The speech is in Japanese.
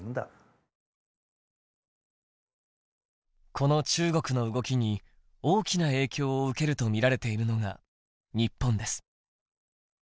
この中国の動きに大きな影響を受けると見られているのが日本です。